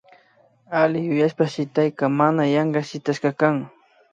Alli yuyashpa shitaykaka mana yanka shitashka kan